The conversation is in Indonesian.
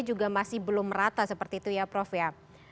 juga masih belum merata seperti itu ya prof ya